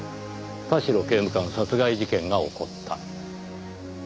田代刑務官殺害事件が起こった。